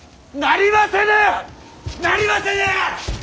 なりませぬ！